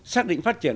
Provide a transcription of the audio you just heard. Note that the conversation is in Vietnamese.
xác định phát triển